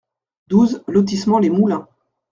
douze lotissement Les Moulins